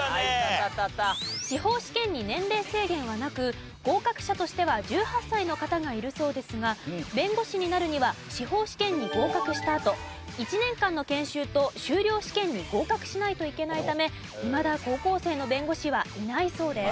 司法試験に年齢制限はなく合格者としては１８歳の方がいるそうですが弁護士になるには司法試験に合格したあと１年間の研修と修了試験に合格しないといけないためいまだ高校生の弁護士はいないそうです。